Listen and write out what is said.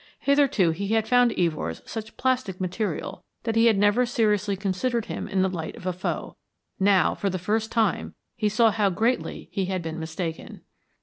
Hitherto he had found Evors such plastic material that he had never seriously considered him in the light of a foe. Now, for the first time, he saw how greatly he had been mistaken.